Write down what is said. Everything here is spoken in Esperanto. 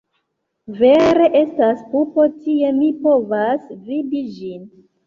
Vere estas pupo tie, mi povas vidi ĝin.